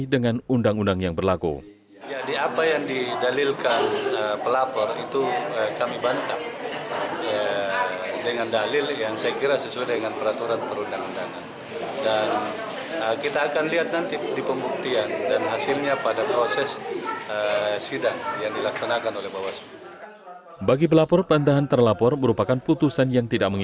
dan juga pelapor sudah memberikan jawaban